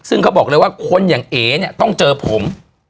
ซึ่งเขาบอกเลยว่าคนอย่างเอ๋เนี่ยต้องเจอผม